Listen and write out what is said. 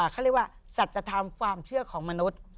เขาเรียกว่าสัจธรรมความเชื่อของมนุษย์